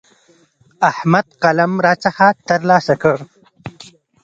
احمد قلم راڅخه تر لاسه کړ.